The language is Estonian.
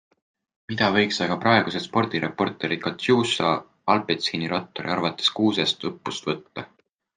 Mida võiks aga praegused spordireporterid Katjuša-Alpecini ratturi arvates Kuusest õppust võtta?